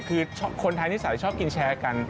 คือคนไทยนิสัยชอบกินแชร์กัน